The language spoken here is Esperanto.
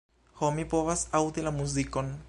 Ho, mi povas aŭdi la muzikon.